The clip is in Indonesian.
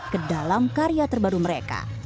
ke dalam karya terbaru mereka